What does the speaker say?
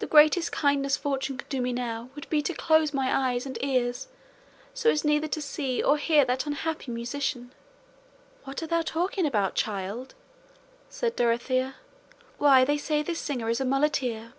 The greatest kindness fortune could do me now would be to close my eyes and ears so as neither to see or hear that unhappy musician." "What art thou talking about, child?" said Dorothea. "Why, they say this singer is a muleteer!"